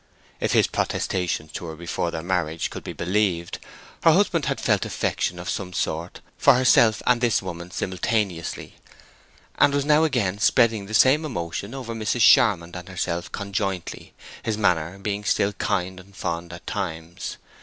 If his protestations to her before their marriage could be believed, her husband had felt affection of some sort for herself and this woman simultaneously; and was now again spreading the same emotion over Mrs. Charmond and herself conjointly, his manner being still kind and fond at times.